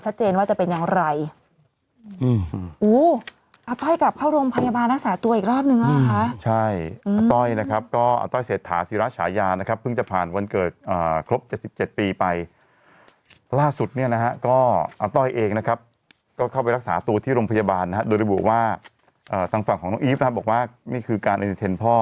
โดยได้บอกว่าต่างฝั่งของน้องอีฟนะครับบอกว่านี่คือการเตรียมพ่อ